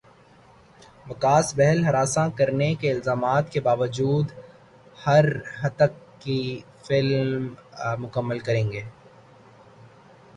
وکاس بہل ہراساں کرنے کے الزامات کے باوجود ہریتھک کی فلم مکمل کریں گے